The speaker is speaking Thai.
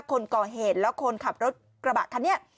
คนก่อเหตุแล้วคนขับรถกระบะคันนี้